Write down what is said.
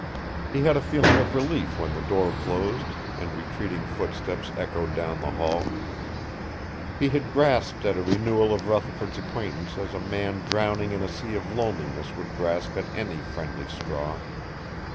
He had a feeling of relief when the door closed and retreating footsteps echoed down the hall. He had grasped at a renewal of Rutherford's acquaintance as a man drowning in a sea of loneliness would grasp at any friendly straw.